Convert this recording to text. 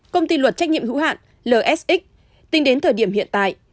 công ty luật trách nhiệm hữu hạn lsx tính đến thời điểm hiện tại